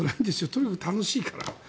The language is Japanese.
とにかく楽しいから。